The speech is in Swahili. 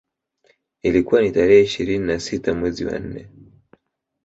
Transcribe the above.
Ilikuwa ni tarehe ishirini na sita ya mwezi wa nne